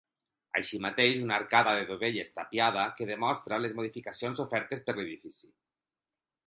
Així mateix una arcada de dovelles tapiada que demostra les modificacions sofertes per l'edifici.